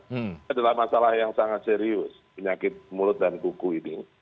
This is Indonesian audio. ini adalah masalah yang sangat serius penyakit mulut dan kuku ini